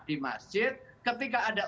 di masjid ketika ada